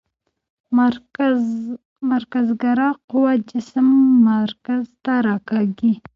مرکزګرا قوه جسم مرکز ته راکاږي.